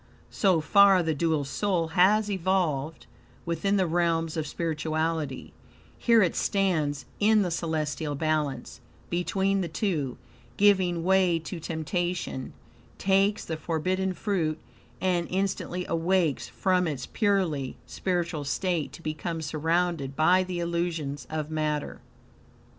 So far the dual soul has evolved within the realms of spirituality; here it stands, in the celestial balance, between the two, giving way to temptation, takes the forbidden fruit and instantly awakes from its purely spiritual state to become surrounded by the illusions of matter.